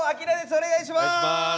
お願いします。